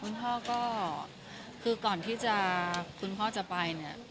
คุณพ่อก็คือก่อนที่คุณพ่อจะไปเนี่ย